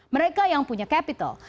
mereka yang punya capital